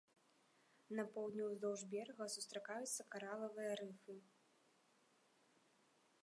На поўдні ўздоўж берага сустракаюцца каралавыя рыфы.